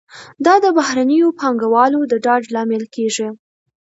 دا د بهرنیو پانګوالو د ډاډ لامل کیږي.